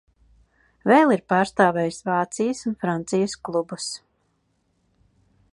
Vēl ir pārstāvējis Vācijas un Francijas klubus.